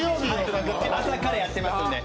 朝からやってますんで。